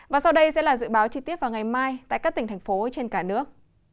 và sau đây sẽ là dự báo chi tiết vào ngày mai tại các tỉnh thành phố trên cả nước